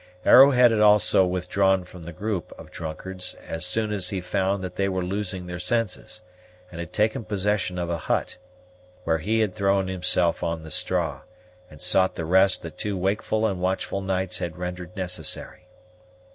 Arrowhead had also withdrawn from the group of drunkards as soon as he found that they were losing their senses, and had taken possession of a hut, where he had thrown himself on the straw, and sought the rest that two wakeful and watchful nights had rendered necessary.